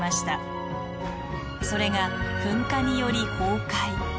それが噴火により崩壊。